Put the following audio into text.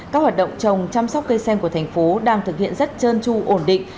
các hoạt động trồng chăm sóc cây sen của thành phố đang thực hiện rất trơn tru ổn định